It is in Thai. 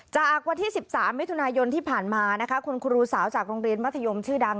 จากวันที่๑๓มิถุนายนที่ผ่านมานะคะคุณครูสาวจากโรงเรียนมัธยมชื่อดัง